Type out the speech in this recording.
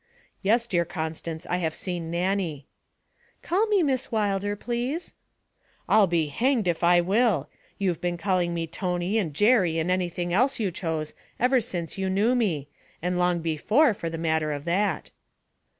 'Yes, dear Constance, I have seen Nannie.' 'Call me "Miss Wilder," please.' 'I'll be hanged if I will! You've been calling me Tony and Jerry and anything else you chose ever since you knew me and long before for the matter of that.'